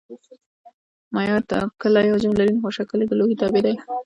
مایعات ټاکلی حجم لري خو شکل یې د لوښي تابع دی.